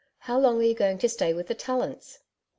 How long are you going to stay with the Tallants?'